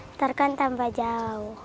ntar kan tambah jauh